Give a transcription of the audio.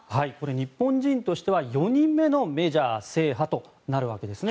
日本人としては４人目のメジャー制覇となるわけですね。